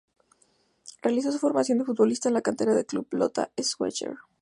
Realizó su formación de futbolista en la cantera del club Lota Schwager.